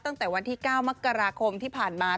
ตั้งแต่วันที่๙มกราคมที่ผ่านมา